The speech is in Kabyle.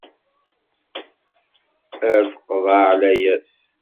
Ar teqḍeε layas.